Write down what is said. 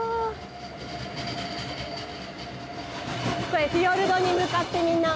これフィヨルドに向かってみんな。